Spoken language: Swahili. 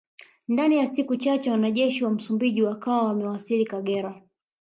Ndani ya siku chache wanajeshi wa Msumbiji wakawa wamewasili Kagera